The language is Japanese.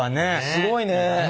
すごいね。